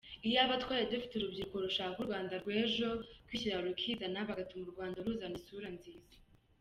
yiba twaridufite urubyiruko rushaka urwanda rwejo kwishira rukizana bagatuma urwanda ruzana isura inzizaq